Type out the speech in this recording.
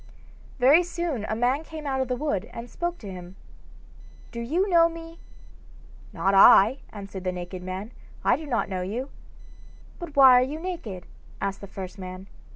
Very soon a man came out of the wood and spoke to him. 'Do you know me?' 'Not I,' answered the naked man. 'I do not know you.' 'But why are you naked?' asked the first man.